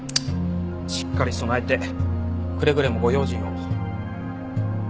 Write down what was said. しっかり備えてくれぐれもご用心を。